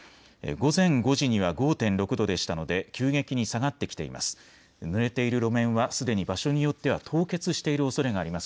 午前５時には５．６度でしたので急激に下がってきています。